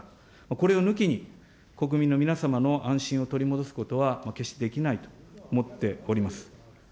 これを抜きに、国民の皆様の安心を取り戻すことは決してできないと思っております。